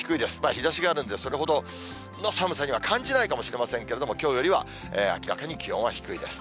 日ざしがあるんで、それほどの寒さには感じないかもしれませんけれども、きょうよりは明らかに気温は低いです。